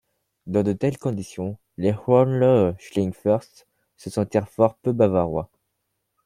Dans de telles conditions, les Hohenlohe-Schillingsfürst se sentirent fort peu Bavarois.